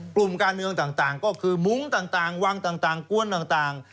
กลุ่มการเมืองต่างก็คือมุ้งต่างวังต่างกวนต่าง